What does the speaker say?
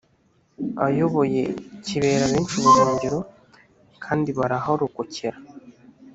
ayoboye kibera benshi ubuhungiro kandi baraharokokera